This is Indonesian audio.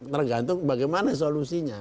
tergantung bagaimana solusinya